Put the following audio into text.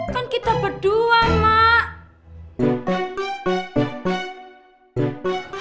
kan kita berdua emak